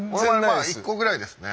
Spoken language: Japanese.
まあ１コぐらいですね。